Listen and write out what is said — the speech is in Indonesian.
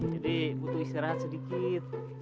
jadi butuh istirahat sedikit